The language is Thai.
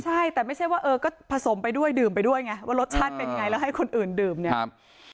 ใช่แต่ไม่ใช่ว่าเออก็ผสมไปด้วยดื่มไปด้วยไงว่ารสชาติเป็นไงแล้วให้คนอื่นดื่มเนี่ยครับ